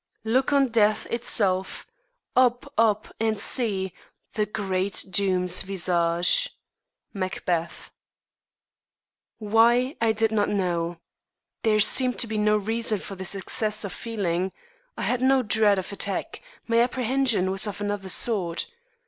Look on death itself! up, up, and see The great doom's visage! Macbeth. Why, I did not know. There seemed to be no reason for this excess of feeling. I had no dread of attack; my apprehension was of another sort.